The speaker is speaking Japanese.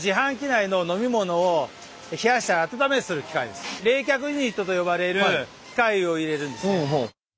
その次に冷却ユニットと呼ばれる機械を入れるんですけども。